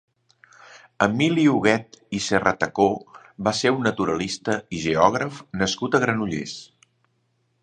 Emili Huguet i Serratacó va ser un naturalista i geògraf nascut a Granollers.